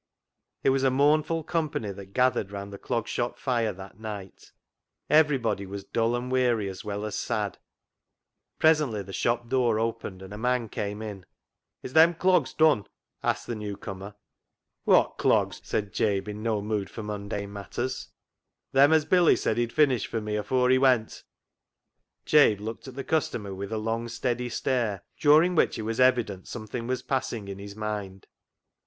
It was a mournful company that gathered round the Clog Shop fire that night. Every body was dull and weary as well as sad. Presently the shop door opened, and a man came in. " Is them clogs dun ?" asked the new comer. " Wot clogs ?" said Jabe, in no mood for mundane matters. BILLY BOTCH 55 " Them as Billy said he'd finish fur me afore he went." Jabe looked at the customer with a long, steady stare, during which it was evident something was passing in his mind.